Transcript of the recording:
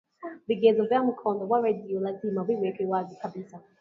vigezo vya mkondo wa redio lazima viwekwe wazi kabisa